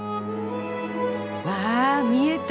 わ見えた。